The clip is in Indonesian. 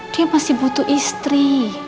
dia masih butuh istri